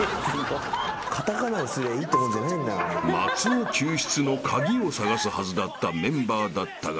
［松尾救出の鍵を探すはずだったメンバーだったが］